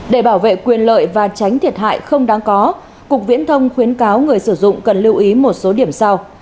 để bảo vệ quyền lợi và tránh thiệt hại không đáng có cục viễn thông khuyến cáo người sử dụng cần lưu ý một số điểm sau